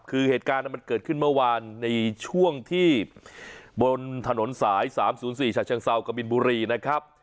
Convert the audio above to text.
คือเหตุการณ์มันเกิดขึ้นเมื่อวานในช่วงที่บนถนนสาย๓๐๔ฉะเชิงเซากับบินบุรีนะครับ